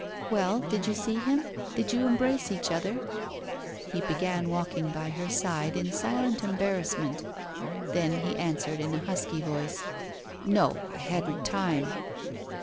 'Well, did you see him? did you embrace each other?' He began walking by her side in silent embarrassment. Then he answered in a husky voice: 'No; I hadn't time.